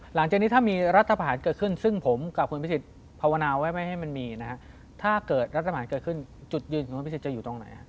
หลังจากนี้ถ้ามีรัฐประหารเกิดขึ้น